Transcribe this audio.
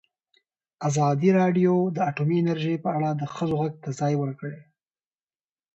ازادي راډیو د اټومي انرژي په اړه د ښځو غږ ته ځای ورکړی.